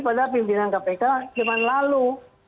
pada pimpinan kpk zaman lalu